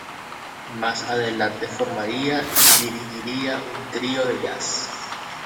Más adelante formaría y dirigiría un trío de Jazz.